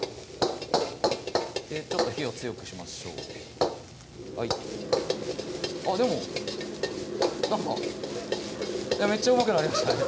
ちょっと火を強くしましょうあっでもなんかめっちゃうまくなりましたね